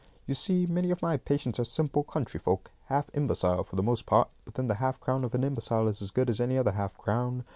"You see, many of my patients are simple country folk, half imbecile for the most part, but then the half crown of an imbecile is as good as any other half crown.